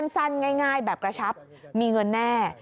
สั้นง่ายแบบกระชับมีเงินแน่